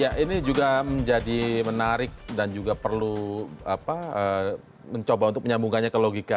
ya ini juga menjadi menarik dan juga perlu mencoba untuk menyambungkannya ke logika